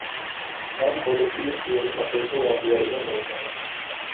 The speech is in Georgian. მან კოლექტივს პირველი საყოველთაო აღიარება მოუტანა.